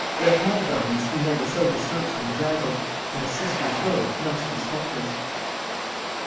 Let my garments be never so besmirched and bedraggled, my sister's robes must be spotless."